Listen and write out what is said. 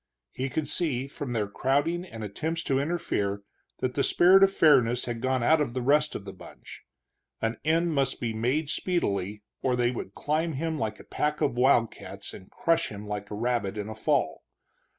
He could see, from their crowding and attempts to interfere, that the spirit of fairness had gone out of the rest of the bunch. An end must be made speedily, or they would climb him like a pack of wildcats and crush him like a rabbit in a fall.